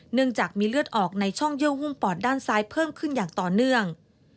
เนื่องจากมีเลือดออกในช่องเยื่อหุ้มปอดด้านซ้ายเพิ่มขึ้นอย่างต่อเนื่อง